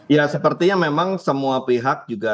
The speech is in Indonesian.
ya sepertinya memang semua pihak juga